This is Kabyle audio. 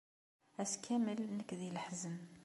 Ass kamel, nekk di leḥzen.